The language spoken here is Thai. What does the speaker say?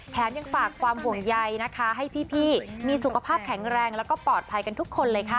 ยังฝากความห่วงใยนะคะให้พี่มีสุขภาพแข็งแรงแล้วก็ปลอดภัยกันทุกคนเลยค่ะ